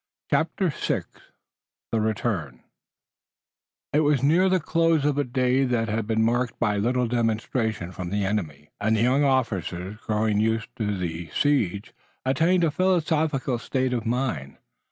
CHAPTER VI THE RETURN It was near the close of a day that had been marked by little demonstration from the enemy, and the young officers, growing used to the siege, attained a philosophical state of mind.